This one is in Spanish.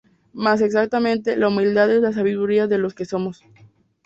Más exactamente, la humildad es la sabiduría de lo que somos.